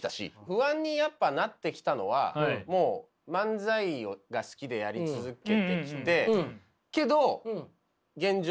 不安にやっぱなってきたのはもう漫才が好きでやり続けてきてけど現状